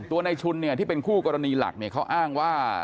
ตัวในชุนที่เป็นคู่กรณีหลักเนี่ยเขาอ้างว่า